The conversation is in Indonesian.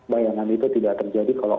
bayangan itu tidak terjadi kalau